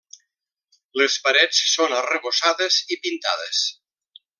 Les parets són arrebossades i pintades.